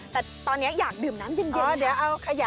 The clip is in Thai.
แต่ตอนนี้อยากดื่มน้ำเย็น